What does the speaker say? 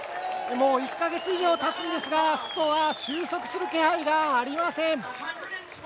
もう１か月以上たつんですが、ストは収束する気配がありません。